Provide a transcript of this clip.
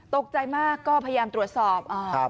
ตกใจมากก็พยายามตรวจสอบ